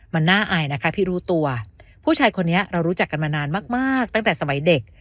มันน่าอายนะคะพี่รู้ตัวผู้ชายคนนี้เรารู้จักกันมานานมากตั้งแต่สมัยเด็ก